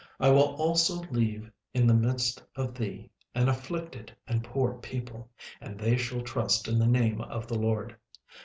36:003:012 I will also leave in the midst of thee an afflicted and poor people, and they shall trust in the name of the LORD.